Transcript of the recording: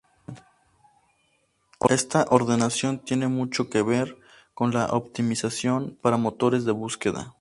Esta ordenación tiene mucho que ver con la optimización para motores de búsqueda.